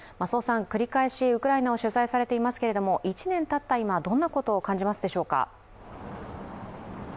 繰り返しウクライナを取材されていますけれども１年たった今、どんなことを感じますでしょうか？